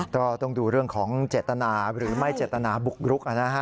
ก็ต้องดูเรื่องของเจตนาหรือไม่เจตนาบุกรุก